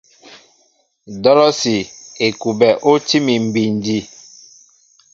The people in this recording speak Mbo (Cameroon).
Dolosi / Ekuɓɛ o tí mi bindi.